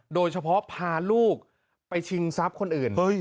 โดยเฉพาะพาลูกไปชิงทรัพย์คนอื่น